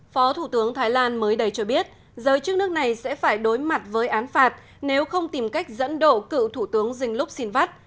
phó thủ tướng thái lan mới đầy cho biết giới chức nước này sẽ phải đối mặt với án phạt nếu không tìm cách dẫn đổ cựu thủ tướng dinh lúc xin vắt